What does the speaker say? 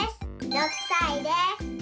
６さいです。